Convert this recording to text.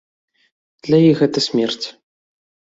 Для іх гэта смерць.